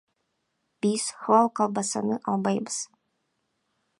Биз халал колбасаны албайбыз.